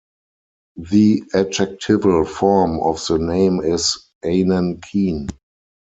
The adjectival form of the name is "Anankean".